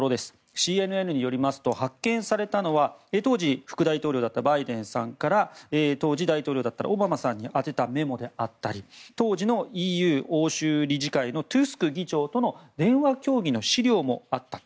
ＣＮＮによりますと発見されたのは当時、副大統領だったバイデンさんから当時大統領だったオバマさんに宛てたメモであったり当時のＥＵ欧州理事会のトゥスク議長との電話協議の資料もあったと。